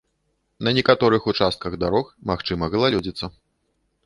На некаторых участках дарог магчыма галалёдзіца.